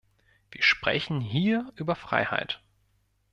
Wir sprechen hier über Freiheit.